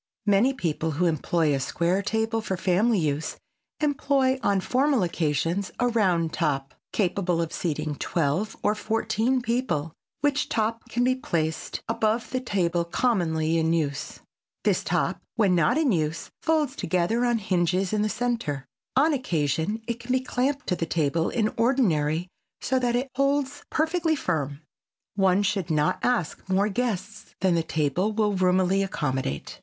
Many people who employ a square table for family use, employ on formal occasions a round top, capable of seating twelve or fourteen people, which top can be placed above the table commonly in use. This top when not in use folds together on hinges in the center. On occasion it can be clamped to the table in ordinary so that it holds perfectly firm. One should not ask more guests than the table will roomily accommodate.